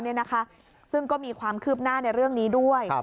ซึ่งก็มีความคืบหน้าในเรื่องนี้ด้วย